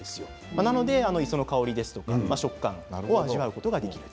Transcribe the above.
なので磯の香り、食感を味わうことができると。